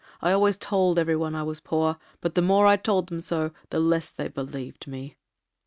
I always told every one I was poor, but the more I told them so, the less they believed me.'